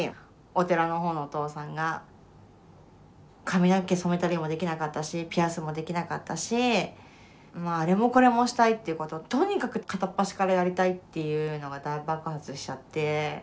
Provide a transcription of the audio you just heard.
髪の毛染めたりもできなかったしピアスもできなかったしあれもこれもしたいっていうこととにかく片っ端からやりたいっていうのが大爆発しちゃって。